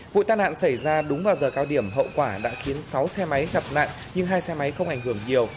vụ tai nạn xảy ra đúng vào giờ cao điểm hậu quả đã khiến sáu xe máy gặp nạn nhưng hai xe máy không ảnh hưởng nhiều